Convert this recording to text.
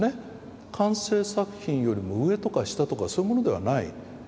完成作品よりも上とか下とかそういうものではない。